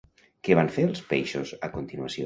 Què van fer els peixos, a continuació?